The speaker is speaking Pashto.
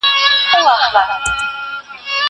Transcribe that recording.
زه بايد ليکلي پاڼي ترتيب کړم!